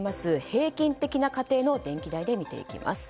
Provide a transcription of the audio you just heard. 平均的な家庭の電気代で見ていきます。